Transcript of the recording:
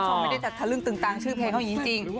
ไม่ได้จะทะลึ่งตึงตังชื่อเพลงเขาอย่างนี้จริง